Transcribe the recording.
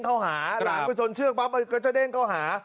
เข้าหาหลังไปชนเชือกปั๊บมันก็จะเด้งเข้าหา